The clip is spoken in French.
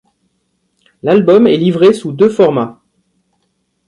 L'album est livré sous deux formats.